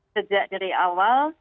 sejak dari awal